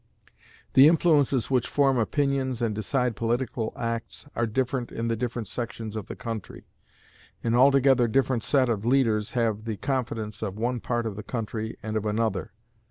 The influences which form opinions and decide political acts are different in the different sections of the country. An altogether different set of leaders have the confidence of one part of the country and of another.